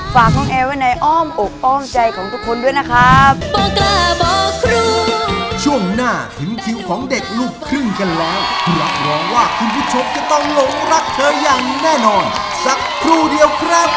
ฝากน้องแอร์ไว้ในอ้อมอกอ้อมใจของทุกคนด้วยนะครับ